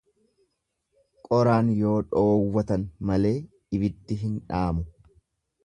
Qoraan yoo dhoowwatan malee ibiddi hin dhaamu.